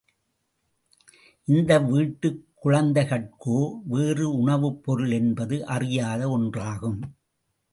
இந்த வீட்டுக் குழந்தைகட்கோ, வேறு உணவுப் பொருள் என்பது அறியாத ஒன்றாகும்.